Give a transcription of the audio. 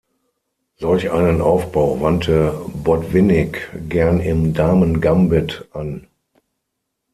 Solch einen Aufbau wandte Botwinnik gern im Damengambit an.